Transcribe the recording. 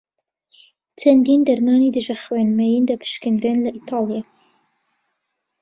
چەندین دەرمانی دژە خوێن مەین دەپشکنرێن لە ئیتاڵیا.